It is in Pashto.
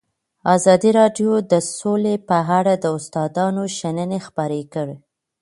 ازادي راډیو د سوله په اړه د استادانو شننې خپرې کړي.